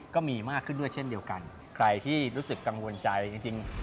ก็มีมากขึ้นด้วยเช่นเดียวกันใครที่รู้สึกกังวลใจจริง